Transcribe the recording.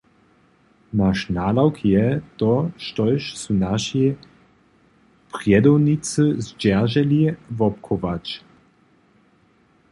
Naš nadawk je, to, štož su naši prjedownicy zdźerželi, wobchować.